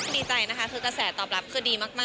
ดีใจนะคะคือกระแสตอบรับคือดีมาก